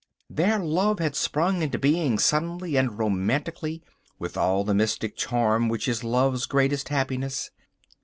Their love had sprung into being suddenly and romantically, with all the mystic charm which is love's greatest happiness.